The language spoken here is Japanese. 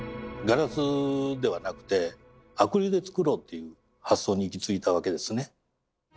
ガラスではなくてアクリルで造ろうっていう発想に行き着いたわけですね。